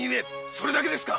それだけですか？